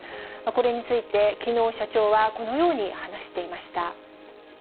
これについて、きのう社長はこのように話していました。